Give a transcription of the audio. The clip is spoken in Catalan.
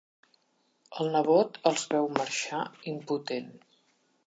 El nebot els veu marxar, impotent.